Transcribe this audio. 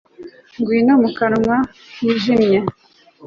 Ngwino mu kanwa kijimye